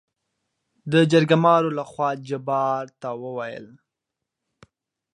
دجرګمارو لخوا جبار ته وويل: